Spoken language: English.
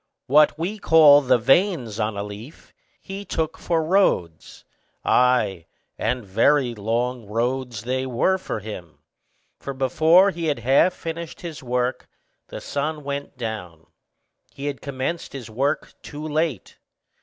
What we call the veins on a leaf, he took for roads; ay, and very long roads they were for him; for before he had half finished his task, the sun went down: he had commenced his work too late.